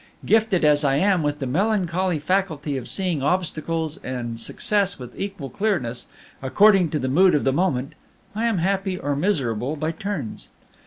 Gifted as I am with the melancholy faculty of seeing obstacles and success with equal clearness, according to the mood of the moment, I am happy or miserable by turns.